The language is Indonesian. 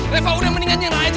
reva udah mau nangis